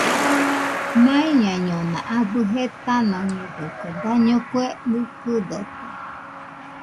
Naiñaiñona abɨ jetanoñedɨkue, daño kue nɨkɨdote